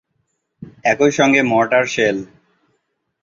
একই সঙ্গে mortar shell.